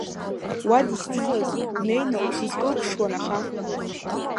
Уадызцалаз, унеины усызкылԥшуан аха!